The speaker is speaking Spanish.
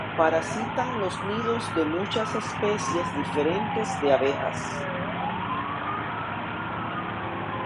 Parasitan los nidos de muchas especies diferentes de abejas.